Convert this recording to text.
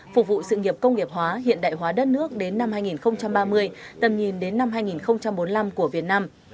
phục vụ sự nghiệp công nghiệp hóa hiện đại hóa đất nước đến năm hai nghìn ba mươi tầm nhìn đến năm hai nghìn bốn mươi năm của việt nam